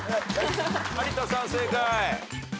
有田さん正解。